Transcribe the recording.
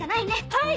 はい！